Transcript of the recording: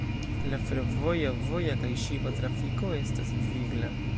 La fervoja, voja kaj ŝipa trafiko estas vigla.